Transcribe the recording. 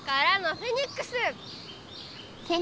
フェニックス？